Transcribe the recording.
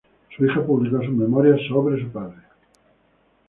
Su hija publicó sus memorias sobre su padre.